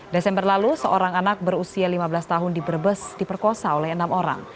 desember lalu seorang anak berusia lima belas tahun di brebes diperkosa oleh enam orang